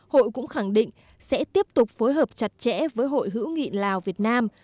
hội cũng khẳng định sẽ tiếp tục phối hợp chặt chẽ với hội hữu nghị lào việt nam